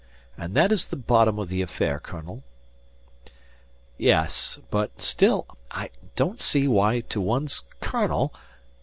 And that is the bottom of the affair, colonel." "Yes. But still I don't see why to one's colonel...